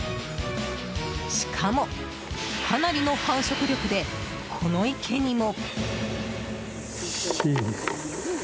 しかも、かなりの繁殖力でこの池にも。